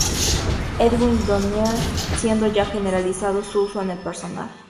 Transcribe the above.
Edwin Donayre, siendo ya generalizado su uso en el personal.